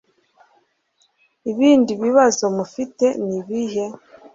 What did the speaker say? Ibindi bibazo mufite nibihe